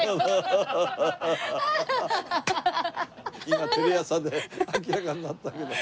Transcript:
今テレ朝で明らかになったわけだ。